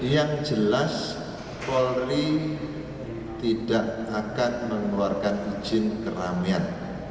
yang jelas polri tidak akan mengeluarkan izin keramaian